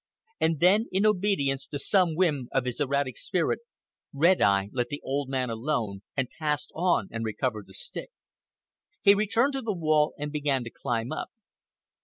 And then, in obedience to some whim of his erratic spirit, Red Eye let the old man alone and passed on and recovered the stick. He returned to the wall and began to climb up.